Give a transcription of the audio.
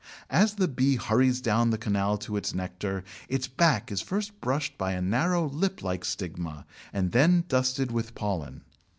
As the bee hurries down the canal to its nectar, its back is first brushed by a narrow lip like stigma and then dusted with pollen.